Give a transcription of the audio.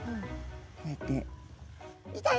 こうやって。